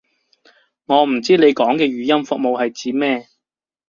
我唔知你講嘅語音服務係指咩